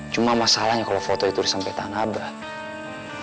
cuma masalahnya kalau foto itu sampai ke tangan abah